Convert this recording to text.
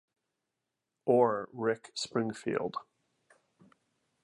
Or Rick Springfield.